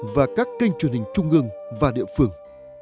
và các kênh truyền hình trung ương và địa phương